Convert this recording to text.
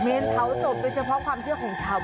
เมนท์เผาศพเฉพาะความเชื่อของชำ